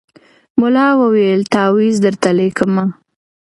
ملا وویل تعویذ درته لیکمه